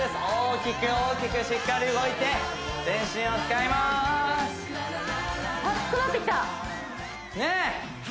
大きく大きくしっかり動いて全身を使います暑くなってきたねえ！